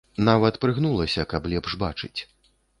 Нават прыгнулася, каб лепш бачыць.